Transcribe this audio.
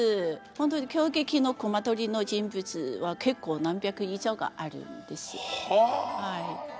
本当に京劇の隈取の人物は結構何百以上があるんです。